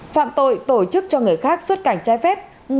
phạm tội tổ chức cho người khác xuất cảnh trái phép